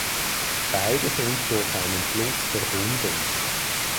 Beide sind durch einen Fluss verbunden.